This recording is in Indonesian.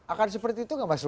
akan seperti itu nggak mas